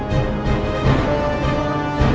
masuk masuk masuk